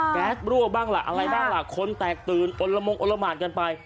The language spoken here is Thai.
แก๊สรั่วบ้างล่ะอะไรบ้างล่ะคนแตกตื่นอ้นละมงอลละหมานกันไป